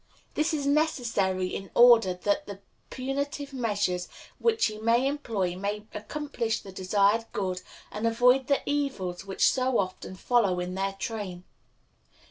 This is necessary in order that the punitive measures which he may employ may accomplish the desired good, and avoid the evils which so often follow in their train.